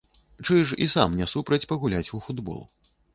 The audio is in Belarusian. Чыж і сам не супраць пагуляць у футбол.